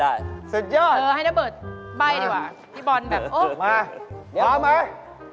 เออให้น้าเบิร์ดใบ้ดีกว่าพี่บอลแบบโอ๊ค